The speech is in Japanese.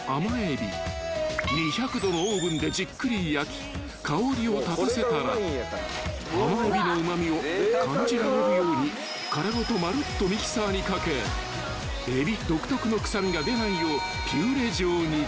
［２００℃のオーブンでじっくり焼き香りを立たせたらアマエビのうま味を感じられるように殻ごと丸っとミキサーにかけエビ独特の臭みが出ないようピューレ状に］